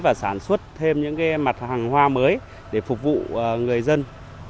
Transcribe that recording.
và sản xuất thêm những mặt hàng hoa mới để phục vụ người dân